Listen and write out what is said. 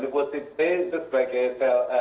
limbosid t itu sebagai sel